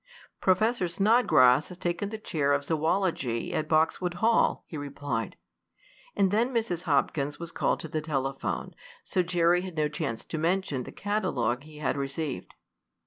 "Professor Snodgrass has taken the chair of zoology at Boxwood Hall," he replied. And then Mrs. Hopkins was called to the telephone, so Jerry had no chance to mention the catalogue he had received.